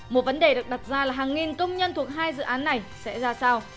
một vấn đề được đặt ra là hàng nghìn công nhân thuộc hai dự án này sẽ ra sao